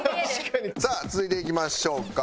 さあ続いていきましょうか。